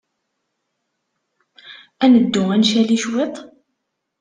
Ad neddu ad ncali cwiṭ?